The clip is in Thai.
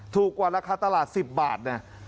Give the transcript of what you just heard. ถูกกว่าราคาตลาด๑๐บาทเนี่ย